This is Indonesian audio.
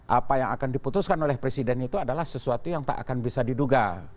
apa yang akan diputuskan oleh presiden itu adalah sesuatu yang tak akan bisa diduga